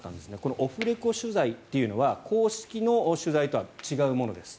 オフレコ取材というのは公式の取材とは違うものです。